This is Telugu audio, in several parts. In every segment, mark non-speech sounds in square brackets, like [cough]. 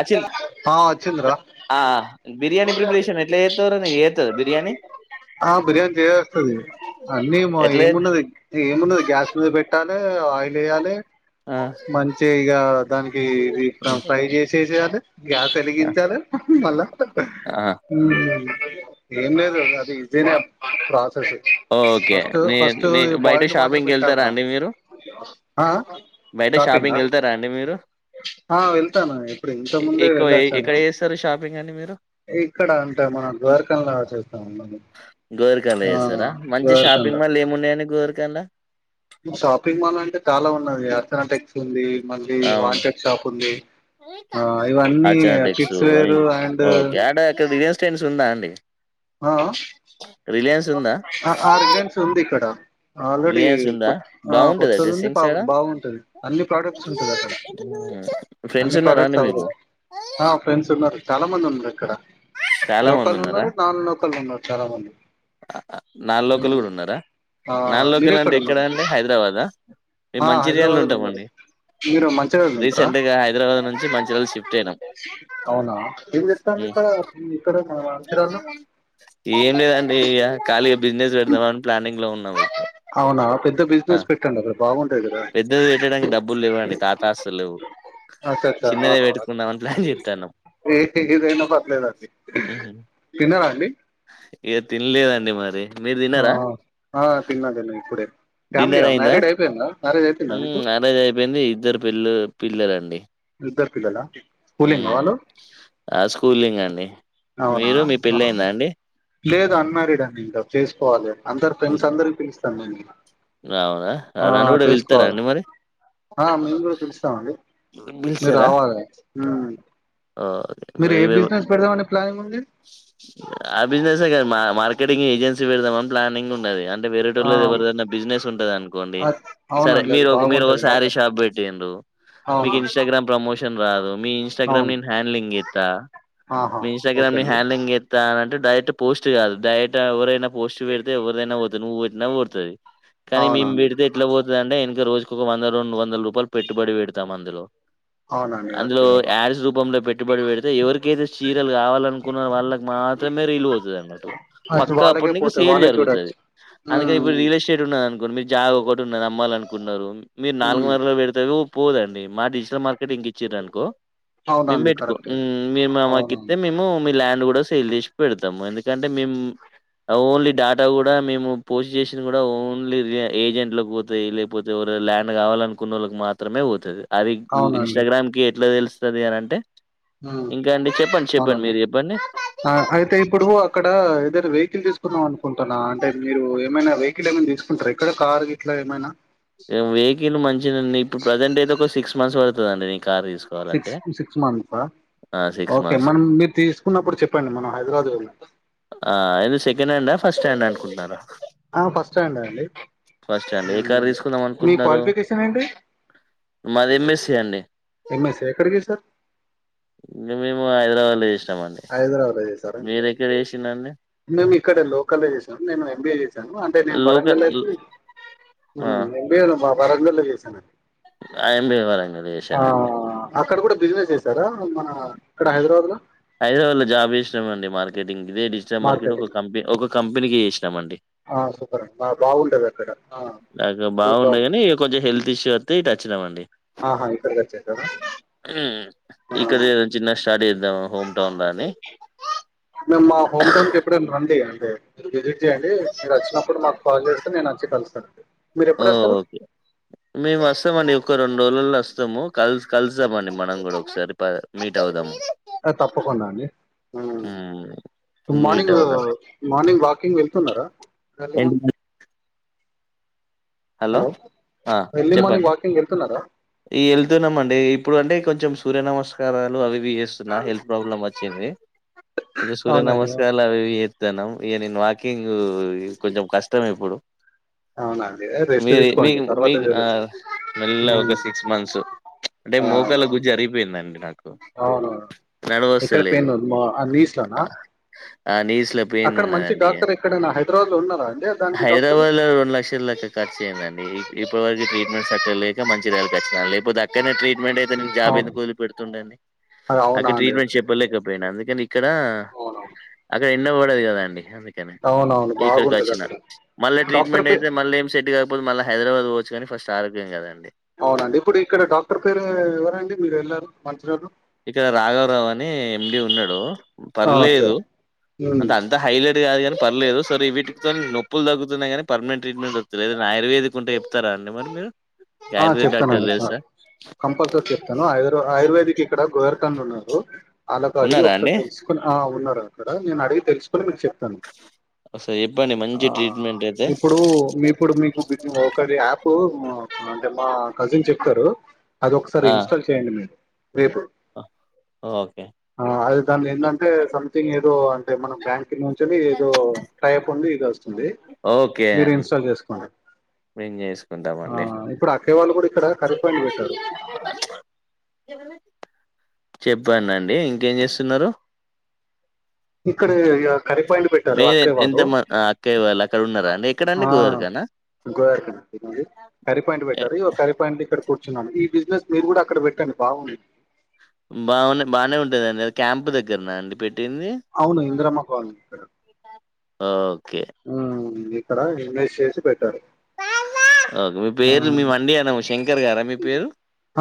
అచిన్ ఆ వచ్చిందిరా ఆ బిర్యానీ ప్రిపరేషన్ ఎట్లా చేత్తవురా నీకు చేత్తదా బిర్యానీ బిర్యానీ చెయ్య వస్తది అన్ని ఎట్లా చేత్ ఏమున్నది ఏమున్నది గ్యాస్ మీద పెట్టాలే ఆయిల్. ఎయ్యాలే. ఆ మంచి ఇగ దానికి ఇది ఇప్పుడా ఫ్రై చేసి. చేసయాలే గ్యాస్ వెలిగించాలే మళ్ళా. ఆ ఏం లేదు అది ఈజీనే ప్రాసెస్. ఓకే ఫస్ట్ నే ఫస్ట్ నే బయట బాయిల్డ్ వాటర్ షాపింగ్కి వెళ్తారా పెట్టాలరా అండి మీరు ఆ ఆ బయట షాపింగా షాపింగ్కి వెళ్తారా అండి మీరు ఎల్తానా. ఇంత ముందే ఎక్కువ ఎ వెళ్ళచ్చాను ఎక్కడ చేస్తారు షాపింగ్ అండి మీరు ఇక్కడ అంటే మనం ద్వారకా చేస్తాం గోదారికానిలా చేస్తారా మంచి షాపింగ్ ద్వారకంలో మాల్లు ఏమున్నాయి అండి గోదారికానిలా. షాపింగ్ మాల్ అంటే చాలా ఉన్నది అర్థనటెక్స్ ఉంది. మళ్ళీ అవును వాంటెడ్ షాప్ ఉంది ఆ ఇవన్నీ అర్చనా టెక్సు కిడ్స్ వేర్ అండ్ ఓకే అక్కడ బిజినెస్ [unintelligible] ఉందా అండి రిలయన్స్ ఉందా ఆ ఆరగన్స్ ఉంది ఇక్కడ. ఆల్రెడీ రిలయన్స్ ఉందా కొత్ ఆ బాగుంటదా కొత్తది ఉంది డ్రెస్సింగ్స్ పాత ఆడ బాగుంటది అన్ని ప్రోడక్ట్స్ ఉంటది అక్కడ ఫ్రెండ్స్ అన్ని ఉన్నారా అండి ప్రోడక్ట్స్ అవదు మీకు ఆ ఫ్రెండ్స్ ఉన్నరు. చాలా మంది ఉన్నారు ఇక్కడ. చాలా మంది లోకల్ ఉన్నారా. ఉన్నారు నాన్ లోకల్ ఉన్నారు చాలా మంది హ్మ్ నాలోకలు కూడా ఉన్నారా ఆ నాన్ మీరు లోకల్ ఎక్కడ అంటే ఉన్నారు? అండి హైదరాబాదా ఆ మేము మంచిర్యాలలో హైదరాబాద్ లో ఉన్నారు ఉంటామండి మీరు మంచిర్యాల్లో ఉంటరా రీసెంట్ గా హైదరాబాద్ నుంచి మంచిర్యాల షిఫ్ట్ అయినాం అవునా ఏం చేస్తారు హ్మ్. ఇక్కడ. ఇక్కడ మా మంచిరాల్లో. ఏం లేదండి ఇగ కాలిగా బిజినెస్ పెడదామని ప్లానింగ్ లో ఉన్నాము. అవునా పెద్ద ఆ బిజినెస్ పెట్టండి అక్కడ బాగుం పెద్దది పెట్టడానికి డబ్బులు లేవండి తాతస్తులు అచ్చ అచ్చ చిన్నదే ఆహా పెట్టుకుందామని ప్లాన్ చేత్తనం. ఏ ఏదైనా పర్లేదండి హ్మ్ తిన్నారా అండి ఇగ తినలేదండి మరి. మీరు ఆ తిన్నారా ఆ తిన్నాతిన్న ఇప్పుడే ఫ్యామిలీయా మ్యారీడ్ అయిపోయిందా. మ్యారేజ్ అయిపోయిందా హ్మ్ మీకు మ్యారేజ్ అయిపోయింది ఇద్దరు పిల్లలు. పిల్లలండి. ఇద్దరు పిల్లలా స్కూలింగా హ్మ్ వాళ్ళు ఆ స్కూలింగ్ అండి. అవునా మీరు మీ ఆహా. పెళ్ళయిందా అండి. లేదు అన్మారీడ్ అండి ఇంకా చేసుకోవాలే. అందరు హ్మ్. ఫ్రెండ్సందరికి పిలుస్తాను అవునా ఆ నన్ను కూడా పిలుత్తారా చేసుకోవాలే అండి మరి ఆ మిమ్మల్ని కూడా పిలుస్తామండి మీరు పిలుస్తారా రావాలే. హ్మ్ మీరు ఏ ఓకే, బిజినెస్ పెడదామని ప్లానింగ్ ఉంది. అంతే కాదు మా మార్కెటింగ్ ఏజెన్సీ పెడదామని ప్లానింగ్ ఉన్నది. అ అంటే ఆ వేరేటోల్లది ఎవరిదన్న యర్స్ ఉంటది అనుకోండి అ- సరే అవునండి అది మీరు ఒక బాగుంటది సారీ మార్కెట్ షాప్ పెట్టిండ్రూ మీకు అవును ఇన్స్టాగ్రామ్ ప్రమోషన్ రాదు మీ ఇంటస్ట్రాగ్రామ్ అవును నేను హ్యాండిలింగ్ గీత్తా ఆహా మీ ఓకే ఇన్స్టాగ్రామ్ని అండి హ్యాండ్లింగ్ చేత్తా అని డైరెట్ పోస్ట్ కాదు డైరెట్ ఎవరైనా పోస్ట్ పెడితే ఎవరైనా పోతది నువ్వు నవ్ ఊర్తది కానీ మేము అవునండి పెడితే ఎట్లా పోతదంటే ఎనక రోజు కు వంద రెండు వందల రూపాయలు పెట్టుబడులు పెడతాం అందులో అవునండి అచ్చ అందులో యాడ్స్ రూపంలో పెట్టుబడి పెడితే ఎవరికైతే చీరలు కావాలనుకున్న వాళ్ళకి మాత్రమే రీల్ పోతది అన్నట్టు అచ్చ పక్కా వాళ్ళకే అప్పుడు నీకు పోతాయి సేల్ వాళ్ళే జరుగుతది చూడొచ్చు అందుకని ఉమ్ ఇప్పుడు రియల్ ఎస్టేట్ ఉన్నా అనుకో మీకు జాగ ఒకటి ఉన్నది అమ్మాలనుకున్నారు మీరు ఉమ్ నాలుగున్నరలో పెడతరు పోదండి మా డిజిటల్ మార్కెట్ కి ఇచ్చర అనుకో మేము అవునండి పెట్టుకో కరెక్టే మ్మ్ మాకు ఇస్తే అవునండి మేము మీ ల్యాం కూడా సేల్ చేసి పెడతాం ఎందుకంటే మేము ఓన్లీ డేటా కూడా మేము పోస్ట్ చేసు కూడా ఓన్లీ ఏజెంట్లకు పోతాయి లేకపోతే ల్యాండ్ కావాలి అనుకున్న వాళ్ళకి మాత్రమే పోతుంది అవి అవునండి ఇన్స్టాగ్రామ్ కి ఎట్లా తెలుస్ వస్తది అని అంటే హ్మ్ ఇంకా అండి చెప్పండి చెప్పండి అవునండి మీరు చెప్పండి అయితే ఇప్పుడు అక్కడ ఏద వెహికల్ తీసుకున్నాను కుంటున్నా అంటే మీరు ఏమైనా వెహికల్ ఏమైనా తీసుకుంట రా ఇక్కడ కార్ గట్లా ఎమైనా వెహికల్ మంచినండి ఇప్పుడు ప్రజెంట్ అయితే ఒక సిక్స్ మంత్స్ పడుతదండి సిక్స్ సిక్స్ మంత్సా ఆ సిక్స్ ఓకే మంత్స్ మనం మీరు తీసుకున్నప్పుడు చెప్పండి మనం హైదరాబాద్ వెళ్ ఫస్ట హ్యాండ్ అనుకుంటన్నారా ఆ ఫస్ట్ హ్యాండ్ ఎ అండి ఫస్ట్ అండి ఏ కారు హ్మ్. తీసుకుందాం మీ అనుకుంటున్నారు క్వాలిఫికేషన్ ఏంటి మాది ఎంఎసి అండి ఎంఎస్ ఎక్కడ చేశారు ఇంకా మేము హైదరాబాద్ లో చేస్ హైదరాబాద్ చేసారండి చేసిండండి మేము ఇక్కడ లోకల్ చేసాము నేను ఎంబీఏ చేసాను అంటే నేను లోకల్ వరంగల్ అయితే ఎంబిఏ బా వరంగల్ లో చేసాను అన్ ఆ ఎబ ఇవ్వాల మీరు చేసారా అండి అక్కడ కూడా బిజినెస్ చేసారా మన ఇక్కడ హైదరాబాద్ లో జాబి ఇష్టంమండి మార్కెటింగ్ ఇదే డిజిటల్ మార్కెట్ ఒక మార్కెటింగ్ కంపె ఒక కంపెనీకి ఇష్టమండి ఆ సూపర్ అండి బాగుంటది అక్కడ ఆ నాకు బాగుండదు కాని కొంచెం హెల్త్ ఇష్యూ వస్త టచ్చినమండి ఆహా ఇక్కడికి వచ్చేసారా ఆ ఇక్కది చిన్న స్టార్ట్ అ ఓహో మేము మా హోమ్ టౌన్ కి ఎప్పుడేనా రండి అయితే మీరు విజిట్ చేయండి మీరు వచ్చినప్పుడు మాకు కాల్ చేస్తే నేను వచ్చి కలుస్తానుండి ఓకే మేము వస్తామండి ఒక రెండు రోజులల్లో వస్తాము కలి కలుసామండి మనం కూడా ఒకసారి మీట్ అవుదాము తప్పకుండా అండి మ్మ్. మీట్ మార్నింగ్ అవుదాం మార్నింగ్ వాకింగ్ వెళ్తున్నారా ఏంటి హలో ఎర్లీ మార్నింగ్ చెప్పండి వాకింగ్ వెళ్తున్నారా ఈ వెళ్తున్నాము అండి ఇప్పుడు అంటే కొంచెం సూర్య నమస్కారాలు అవి చేస్తున్నా హెల్త్ ప్రాబ్లమ్ వచ్చింది సూర్య అవునండి నమస్కాలు అవి ఇక నేను వాకింగ్ కొంచెం కష్టం ఇప్పుడు అవునా మీరు మీ మీకు మల్ల ఒక సిక్స్ మంత్స్ అంటే మోకల అవునవును గుజ్జు అరిపోయిందండి నాకు అవునవును నడవస్తే ఎక్కడ పెయిన్ లేదు ఉంది? మా నీస్ లోనా ఆ నీస్ అక్కడ మంచి డాక్టర్ ఎక్కడైనా హైదరాబాద్ లో ఉన్నారా అండి దానికి డాక్టర్ హైదరాబాద్ లో రెండు లక్షల లెక్క ఖర్చు అయిందండి ఇప్పటి వరకు ట్రీట్మెంట్స్చ్చలేక మంచి రైలుకిచ్చిన లేకపోతే అక్కడనే ట్రీట్ ట్ అయితే జాబ్ అవును ఎందు వదిలి పెడుతుండ అది అ అవునా అండి ట్రీట్మెంట్ అదే చెప్పలేకపోయినా అందుకని ఇక్కడ అవునవును ఇక్కడ ఎన్నబడదు కద అండి అవునవును బాగు వచ్చినా మళ్ళీ ట్రీట్మెంట్ అయితే మళ్ళీ ఏం సెట్గా ఇప్పు మళ్ళ హదరాబాద్ పోచ్చు కాని ఫస్ ఆరోగ్యం కదండి అవునండి ఇప్పుడు ఇక్కడ డాక్టర్ పేరు ఎవరండి మీరు వెళ్ళారు మంచిగారు ఇక్కడ రాఘవరావు అని ఎండి ఉన్నాడు ఆ, సరే. పర్లేదు ఉమ్. అంత హైలైట్గా కాదు కాని పర్లేదు సర వీటితో నొప్పులు తగ్గుతున్నాయి కానీ పర్మనంట్ ట్రీట్మెంట్ వస్తుాలేద ఆయుర్వేదిక్ ఉంటే చెప్తారా అండి మరి మీరు మీకు ఆ ఆయుర్వేద చెప్తానుం డాక్టర్ చె తెలుసా కంపల్సరీ చెప్తాను ఆయుర్వేదిక్ ఇక్కడ కనున్నారు అలాకు అడిగి ఉన్నారా ఒకసారి అండి తెలుసుకుని ఆ ఉన్నారు నను అడిగ తెలుసు మీకు చెప్తాను ఒకసారి చెప్పండి ఆ మంచి ట్రీట్మెంట్ అయితే ఇప్పుడు మీ ఇప్పుడు మీకు బి ఒకటి యాప్ ఓహో అంటే మా కజిన్ చెప్తారు అది ఒకసారి ఆ ఇన్స్టాల్ చేయండి మీరు రేపు ఓకే అదే దానిలో ఏంటంటే సంథింగ్ ఏదో అంటే మనం బ్యాంక్ నుంచి ఏదో టైప్ ఉంది ఇది వస్తుంది మీరు ఇన్స్టాల్ చేసుకోండి విస్ చేద్దాం ఆ, అండి ఇప్పుడు అక్కే వాళ్ళు కూడా ఇక్కడ కర్రీ పాయింట్ పెట్టారు చెప్పడిండి ఇంకేం చేస్తున్నారు ఇక్కడ కరి్రీపాయింట్ పెట్టారు మీ అక్కేయా ఎంత వాళ్ళు మ ఆ, అక్కయ్య వాళ్ళు అక్కడ ఉన్నారా అండి ఎక్కడండి గోదరికానా గో కర్రీ పాయింట్ పెట్టారు కర్రీ పాయింట్ ఇక్కడ కూర్చున్నాను ఈ బిజినెస్ మీరు కూడా అక్కడ పెట్టండి బాగుంది బానే బాగానే ఉంటాందండి అ క్యాంప్ దగ్గరన అండి పెట్టింది అవును ఇంద్రామా కాలనీ ఆ ఓకే ఉమ్, ఇక్కడ ఇన్వెస్ట్ చేసి పెట్టారు ఓకే మీ పేరు మీ ఉమ్, మండి అనా శంకర్ గారా మీ పేరు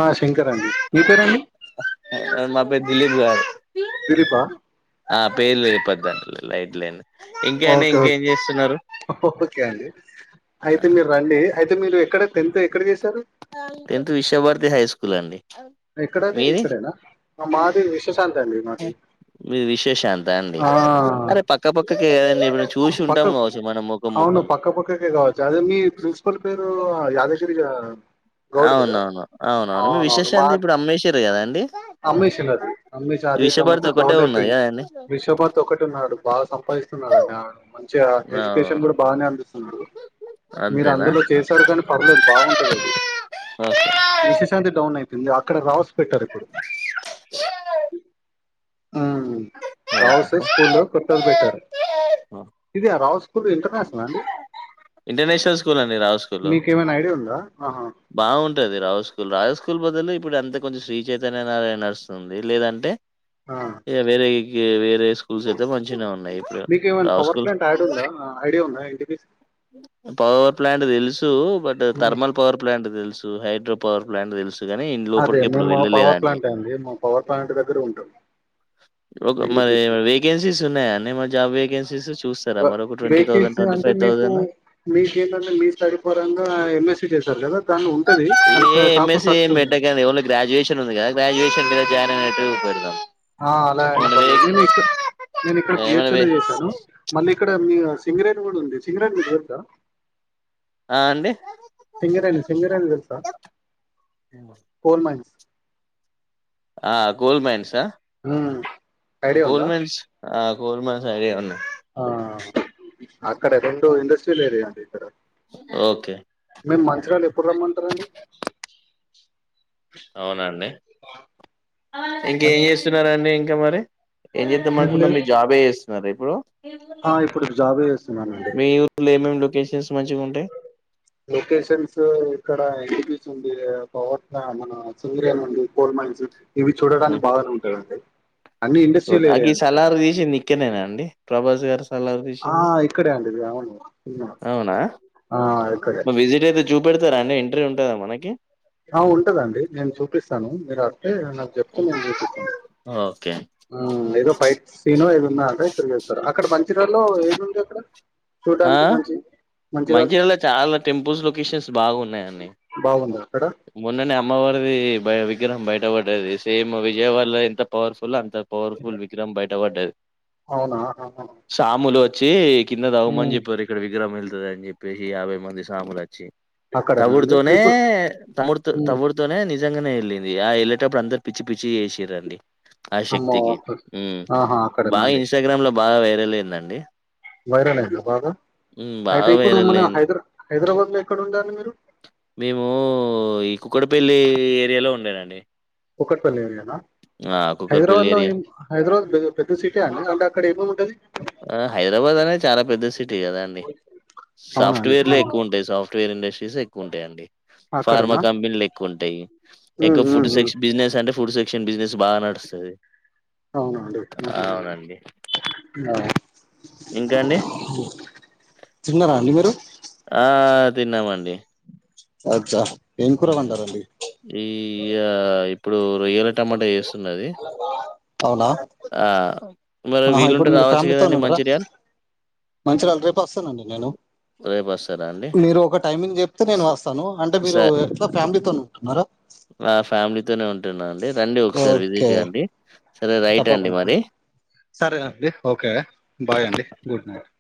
ఆ శంకర్ అండి మీ పేరండి మా దిలీప్ గారు దిలీపా ఆ పేర్లు ఇ పద్దంటలు లైట్లైన్ ఇంకేండి ఓకే ఇంకేం చేస్తున్నారు ఓకే ఓకే అండి అయితే మీరు రండి అయితే మీరు ఇక్కడ టెన్త్ ఎక్కడ చేశారు టెన్త్ విశ్వభారతి హై స్కూల్ అండి ఇక్కడది మీది ఇక్కడేనా మాది విశ్వశాంత అండి మాది మీది విశ్వశాంత అండి ఆ అరే పక్క పక్కకే కదండి ఇప్పుడు చూసి పక్క ఉంటాం కావచ్చు మనం ముఖం అవును ముఖం పక్కపక్కకే కావచ్చు అదే మీ ప్రిన్సిపల్ పేరు యాదగిరిగా గౌడ్ కదా అవునవును అవునవును మీ విశేషాంత ఇప్పుడు అమ్మేష్ చెరే కదా అండి అమ్మీష అది అమ్మీసా అదేడమ్మతో విశ్వభారతి ఒకటే డౌన్ ఉన్నది అయిపోయింది కదండి విశ్వభర్త ఒకటి ఉన్నాడు బాగా సంపాదిస్తున్నాడు మంచిగా అవును ఎడ్యుకేషన్ కూడా బానే అందిస్తుంది మీరు అంతేనా అందులో చేశారు కానీ పర్వలేదు బాగుంటది అది ఓకే విశేషాంతి డౌన్ అ అయింది అక్కడ రా పెట్టార్ ఇప్పుడు మ్మ్ రావు స స్కూల్ కొట్టది బ తర్ ఇద రావ స్కూలు ఇంటర్ స్ల అండి ఇంటర్నేషనల్ స్కూల్ అండి రావు స్కూల్ మీకేమైనా ఐడియా ఉందా ఆహా బాగుంటది రావు స్కుల్ రావు స్కూల్ బదులు ఇప్పుడు అంత కొంచెం శ్రీచైతన్య నారాయణ నడుస్తుంది లేదంటే ఆ వేరేయి వే వేరే స్కూల్స్ అయితే మంచినె ఉన్ మీకు ఏమైనా పవర్ ప్లాంట్ యాడ్ ఉందా ఐడియా ఉందా ఎ పవర్ ప్లాంట్ తెలుస్ సు బట్ థర్మల్ పవర్ తెలుసూ హైడ్రో పవర్ ప్లాంట్ తెలుస్ అనీ అదే లోపల్కెప్పుడు మేము పవర్ వెళ్లలేదండి ప్లాంట్ అండి మా పవర్ ప్లాంట్ దగ్గర ఉంటాం మరి ఎన్టీపీసీ వేకెన్సీస్ ఉన్నయాండి జాబ్ వేకెన్స్ [inaudible] వెహికల్స్ అంటే మీకు మీకేంద్ అంటే మీ సరిపడన్గా ఎంఎస్ చి చేసార్ కదా దాన్ని ఉంటది ఏ కానీ ఎ కాపు మన్సీ సర్చ్ ఎం పెట్టకండి ఓన్లి గ్రాడ్యుయేషన్ ఉంది కదా గ్రాడ్యుయేషన్ మీద జాయిన్ పెడ్దం [inaudible] ఆ అలా అన పర్లేదు నేను ఇక్క నేను ఇక్కడ ఏమైనా బిహెచ్ఎన్ వే చేసాను మళ్ళీ ఇక్కడ మీ సింగరేణి కూడా ఉంది సింగరేణి మీకు [unintelligible] ఆ అండి సింగరేణి సింగరేణి తెలుసా? కోల్ మైన్స్ ఆ గోల్డ్ మైన్స్ ఆ? హ్మ్ ఐడియ ఉందా? గోల్డ్ ఆ గోల్డ్ మైన్స్ ఐడియా ఉన్నయ్ ఆ అక్కడ రెండు ఇండస్ట్రియల్ ఏరియా అండి ఇక్కడ ఓకే మేము మంచిరాళు ఎప్పుడ్ రమ్మంటరంండి అవునండి ఇంకేం చేస్తున్నరండి ఎవరే ఏం చేద్దా మనుకున్నా మీ జాబ్ చేస్తున్నారా ఇపుడ్ బ్రో ఆ ఇప్పుడుకి జాబే చేస్తున్నానండి మీ ఊర్లో [unintelligible] లోకేషన్స్ ఇక్కడ పవర్ ప్లాన్ మన సింగరేణి ఉంది కోల్ మైన్స్ ఇవి చూడటనికి బాగానే ఉంటాయ అండి? చూడం అ ఇక్కడ సలారు తీసింది నిక్కెనేనా అండి ప్రభాస్ గారు సలార్ ఆ తీసింది ఇక్కడే అండిది అవును సినిమా అవునా ఆ ఇక్కడే చూపెడతారాండి ఎంట్రీ ఉంటదా మనకి ఆ ఉంటదండి నేను చూపిస్తాను మీరు ఏ నాకు చెప్తే నేను చూపిస్తాను ఓకే ఆ ఏదో వైట్ సీను ఏదో ఉన్నదట ఇక్కడచేస్తారూ అక్కడ మంచిర్యాల్ లో ఏది ఉంది అక్కడ ఆ చూడ్డానికి మంచి మంచిర్యాల మంచిర్యాలో చాలా టెంపుల్స్ లొకేషన్స్ బాగా ఉన్నాయండి బాగుందా అక్కడ మొన్ననే అమ్మవారిది విగ్రహం బయటపడ్డది సేమ్ విజయవాడా లో ఎంత పవర్ఫుల్ అంత పవర్ఫుల్ విగ్రహం బయటపడ్డది అవునా ఆహా. సాములు చ్చి కింద తవ్వమా ఉమ్, చెప్పారు ఇక్కడ విగ్రహం ఎల్ ద అని చెప్పేసి యాభై మంది సాములు వచ్చి అక్కడనా అండి తవుడుతోనే ఇప్పుడు తవుడుతో ఉమ్, తవుడుతోనే నిజ నిజంగానే వెళ్ళంది ఆ వెళ్ళటప్పుడు అందరు పిచ్చి పిచ్చి చేసిరండి ఆ అమ్మో శక్తికి హు ఆహా అక్కడనా బాగా అండి ఇన్స్టాగ్రామ్ లో బాగా వైర పెలైదండి వైరలైంద బాగా అయితే బాగా ఇప్పుడు వైరల్ మన అయింది హైదరా హైదరాబాద్ లో ఎక్కడ ఉండాలి మీరు మేము ఈ కుక్కడపెల్లి ఏరియాలో ఉండేనండి కూకట్పల్లి ఏరియా నా ఆ కుక్కరపల్లి హైదరాబాద్ లో ఏరియా ఏం హైదరాబాద్ పెద్ద పెద్ద సిటీ ఆ ఆండీ అంటే అది అకడేముంటది ఆ హైదరాబాద్ అనేది చాలా పెద్ద సిటీ కదా అండి అవునా అండి సాఫ్ట్వేర్లే ఆహా. ఎక్కువ ఉంటాయి సాఫ్ట్వేర్ ఇండస్ షీస్ ఎక్కువ ఉంటయండి ఫార్మా అక్కడనా కంపెనీలు ఎక్కువుం టయి ఉమ్, ఎక్కువ ఫుడ్ ఉమ్, ఉమ్. సెక్ష్ బినె అంటే ఫుడ్ సెక్ క్షన్ బిజినెస్ బా నడుస్తది అవునండి నాకు తెలీదు ఆ ఇంకాండి తిన్నారా అండి మీరు ఆ తిన్నామండి అచ్చా ఏం ఊ కూర వండారండి ఈ యా ఇప్పుడు రొయ్యల టమాటా చేస్తున్నది. అవునా ఆ! మరి ఆహా ఇప్పుడు వీలుంటే మీరు రావచ్చు ఫ్యామిలీతో కదండీ ఉంటారా మంచిర్యాల్. మంచిగాళ రేపు వస్తానండి నేను రేపొస్తారా అండి? మీరు ఒక టైమింగ్ చెప్తే స నేను వస్తాను అంటే స మీరు ఫ్యామిలీతో ఉంటున్నారా ఆ ఫ్యామిలీతోనే ఉంటా జనాల్ లేల్ ఓకే రైట్ అండి తప్పకుండా మరి. సరేనండి ఓకే బాయ్ అండి గుడ్ నైట్